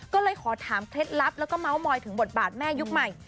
ก็เลยขอถามเคล็ดลับแล้วก็เมาส์มอยถึงบทบาทแม่ยุคใหม่